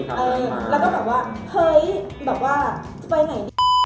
แล้วก็แปลว่าเฮ้ยจะไปไหน